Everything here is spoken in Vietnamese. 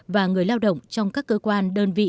và người lao động trong các cơ quan đơn vị